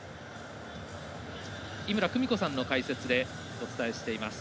井村久美子さんの解説でお伝えしています。